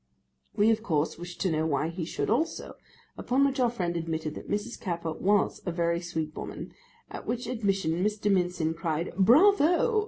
We of course wished to know why he should also, upon which our friend admitted that Mrs. Capper was a very sweet woman, at which admission Mr. Mincin cried 'Bravo!